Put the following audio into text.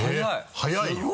早い！